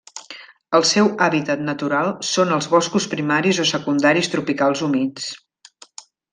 El seu hàbitat natural són els boscos primaris o secundaris tropicals humits.